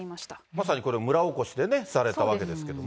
まさにこれ、村おこしでね、されたわけですけれども。